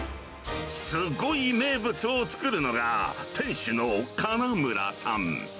すごい名物を作るのが、店主の金村さん。